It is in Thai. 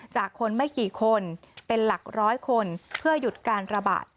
จากคนไม่กี่คนเป็นหลักร้อยคนเพื่อหยุดการระบาด